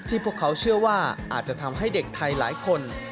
พวกเขาเชื่อว่าอาจจะทำให้เด็กไทยหลายคน